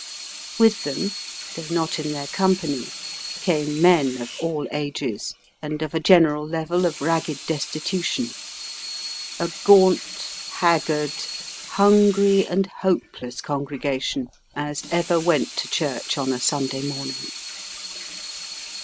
With them, though not in their company, came men of all ages, and of a general level of ragged destitution a gaunt, haggard, hungry, and hopeless congregation as ever went to church on a Sunday morning.